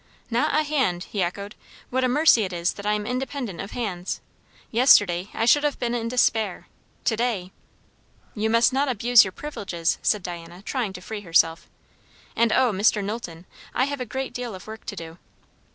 "Not a hand!" he echoed. "What a mercy it is that I am independent of hands. Yesterday I should have been in despair; to day" "You must not abuse your privileges," said Diana, trying to free herself. "And O, Mr. Knowlton, I have a great deal of work to do."